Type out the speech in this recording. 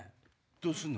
どうすんの？